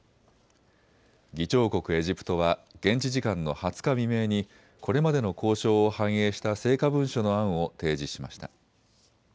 議長国エジプトは現地時間の２０日未明にこれまでの交渉を繁栄した成果文書の案を提示しました。